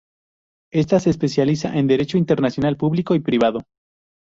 Ésta se especializa en Derecho Internacional público y privado.